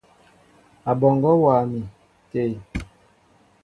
Aɓɔŋgɔ wá mi té.